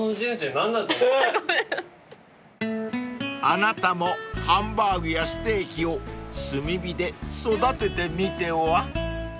［あなたもハンバーグやステーキを炭火で育ててみては？］